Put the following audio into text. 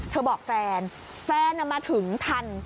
เธอบอกแฟนแฟนน่ะมาถึงทัน